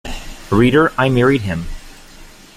Reader, I married him.